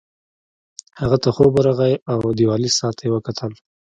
هغه ته خوب ورغی او دیوالي ساعت ته یې وکتل